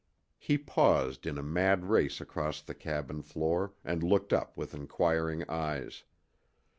He paused in a mad race across the cabin floor and looked up with inquiring eyes.